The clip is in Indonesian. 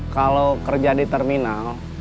kalau kerja di terminal